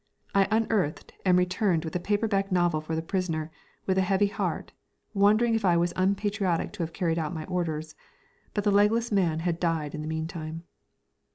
I unearthed and returned with an old paper backed novel for the prisoner, with a heavy heart, wondering if I was unpatriotic to have carried out my orders but the legless man had died in the meantime.